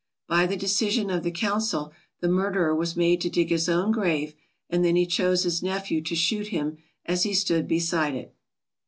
By the decision of the council, the murderer was made to dig his own grave and then he chose his nephew to shoot him as he stood beside it.